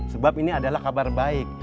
sebab ini adalah kabar baik